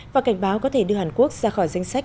và cảnh báo có thể đưa hàn quốc ra khỏi danh sách